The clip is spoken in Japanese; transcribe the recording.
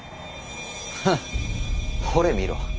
フッほれ見ろ。